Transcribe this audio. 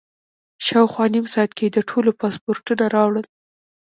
شاوخوا نیم ساعت کې یې د ټولو پاسپورټونه راوړل.